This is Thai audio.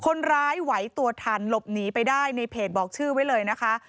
คนร้ายไหวตัวทันหลบหนีไปได้ในเพจบอกชื่อไว้เลยนะคะ